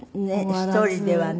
１人ではね。